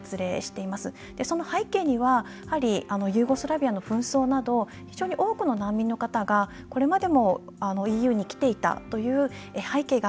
その背景にはやはりユーゴスラビアの紛争など非常に多くの難民の方がこれまでもＥＵに来ていたという背景があると思っています。